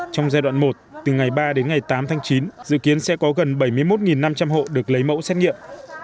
trong giai đoạn một từ ngày ba đến ngày tám tháng chín dự kiến sẽ có gần bảy mươi một năm trăm linh hộ được lấy mẫu xét nghiệm